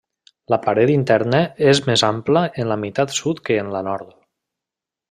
La paret interna és més ampla en la meitat sud que en la nord.